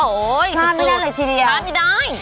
โอ้ยยยยยยสุดสุดปาร์ทนี้ได้